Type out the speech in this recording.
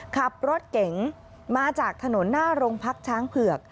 ขับรถเก๋งมาจากถนนหน้าโรงพักช้างเผือก